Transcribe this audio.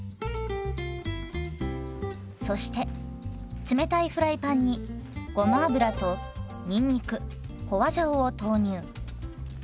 そして冷たいフライパンにごま油とにんにく花椒を投入。